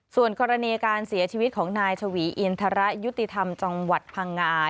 ส่วนกรณีการเสียชีวิตของนายชวีอินทรยุติธรรมจังหวัดพังงา